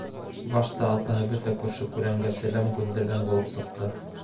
Башта атаһы бөтә күрше-күләнгә сәләм күндергән булып сыҡты.